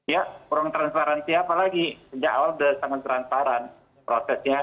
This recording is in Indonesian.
ya kurang transparansi apalagi sejak awal sudah sangat transparan prosesnya